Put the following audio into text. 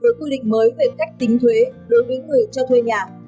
với quy định mới về cách tính thuế đối với người cho thuê nhà